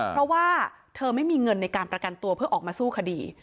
เพราะว่าเธอไม่มีเงินในการประกันตัวเพื่อออกมาสู้คดี